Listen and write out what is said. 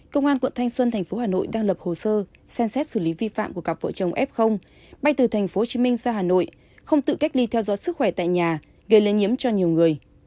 công an quận thanh xuân thành phố hà nội đang lập hồ sơ xem xét xử lý vi phạm của cặp vợ chồng f bay từ tp hcm ra hà nội không tự cách ly theo dõi sức khỏe tại nhà gây lây nhiễm cho nhiều người